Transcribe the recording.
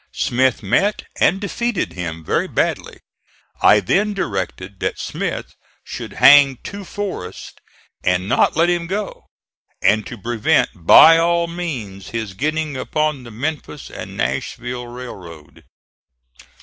Smith met and defeated him very badly. I then directed that Smith should hang to Forrest and not let him go; and to prevent by all means his getting upon the Memphis and Nashville Railroad.